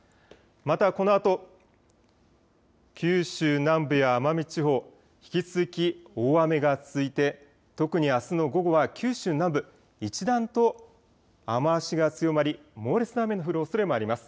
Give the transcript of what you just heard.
またこのあと、九州南部や奄美地方、引き続き大雨が続いて特にあすの午後は九州南部、一段と雨足が強まり猛烈な雨の降るおそれもあります。